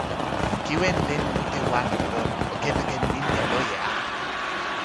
kiwen len mute wan o lon, o kepeken linja loje a!